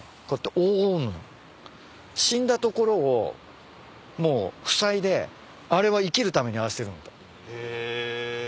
死んだ所をもう塞いであれは生きるためにああしてるの。へ。